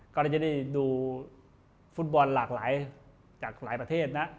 ก็เลยจะได้ดูฟุตบอลหลากหลายจากหลายประเทศนะ